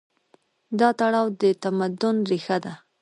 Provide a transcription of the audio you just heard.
دا تړاو د تمدن ریښه ده.